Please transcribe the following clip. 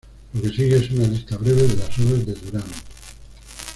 Lo que sigue es una lista breve de las obras de Durant.